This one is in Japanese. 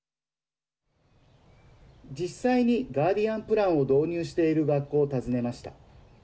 実際にガーディアン・プランを導入している学校を訪ねました。